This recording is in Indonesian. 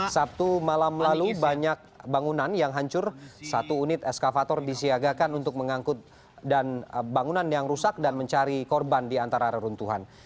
sabtu malam lalu banyak bangunan yang hancur satu unit eskavator disiagakan untuk mengangkut dan bangunan yang rusak dan mencari korban di antara reruntuhan